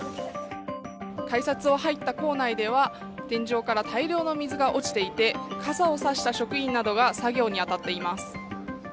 改札を入った構内では、天井から大量の水が落ちていて、傘を差した職員などが作業に当たっています。